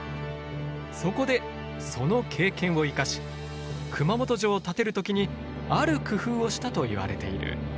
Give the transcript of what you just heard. そこでその経験を生かし熊本城を建てる時にある工夫をしたといわれている。